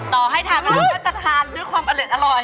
ต่อให้ทานว่าเราก็จะทานด้วยความเอละอร่อย